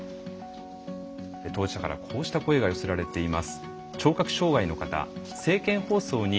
当事者からこうした声が寄せられています。